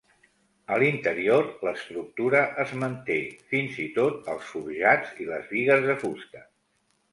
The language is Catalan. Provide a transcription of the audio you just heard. A l’interior l’estructura es manté, fins i tot els forjats i les bigues de fusta.